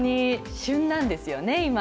旬なんですよね、今。